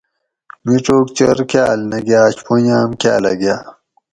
میڄوگ چور کاۤل نہ گاش پنجاۤم کاۤلہ گا